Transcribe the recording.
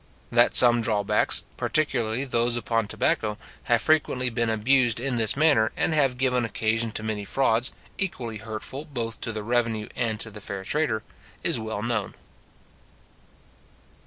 That some drawbacks, particularly those upon tobacco, have frequently been abused in this manner, and have given occasion to many frauds, equally hurtful both to the revenue and to the fair trader, is well known.